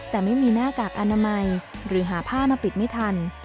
แต่ไม่มีหน้ากากอนามัยหรือหาผ้ามาปิดไม่ทัน